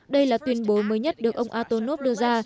đây là tuyên bố mới nhất được ông atonov đưa ra